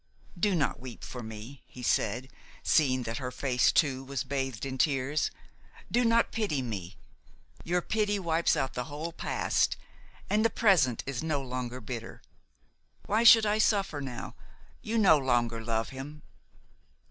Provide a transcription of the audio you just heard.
"Do not weep for me," he said, seeing that her face too was bathed in tears. "Do not pity me; your pity wipes out the whole past, and the present is no longer bitter. Why should I suffer now? You no longer love him."